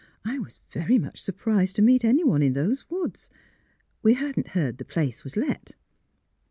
I was very much surprised to meet anyone in those woods. We had not heard the place was let."